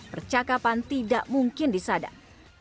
percakapan tidak mungkin disadar